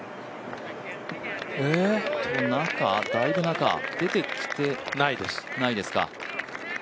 中、だいぶ中、出てきてないですか。